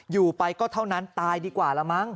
อยู่ไปก็เท่านั้นตายดีกว่าละมั้ง